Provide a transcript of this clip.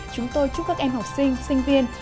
chúng tôi chúc các em học sinh sinh viên